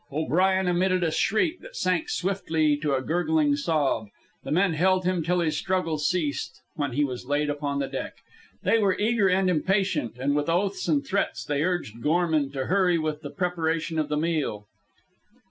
O'Brien emitted a shriek that sank swiftly to a gurgling sob. The men held him till his struggles ceased, when he was laid upon the deck. They were eager and impatient, and with oaths and threats they urged Gorman to hurry with the preparation of the meal.